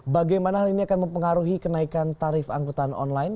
bagaimana hal ini akan mempengaruhi kenaikan tarif angkutan online